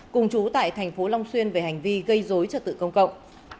cùng chú tại tp long xuyên về hành vi gây dối trật tự công cộng